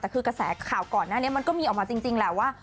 แต่คือกระแสข่าวก่อนหน้านี้มันก็มีออกมาจริงแหละว่า